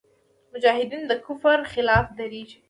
مجاهد د کفر خلاف درېږي.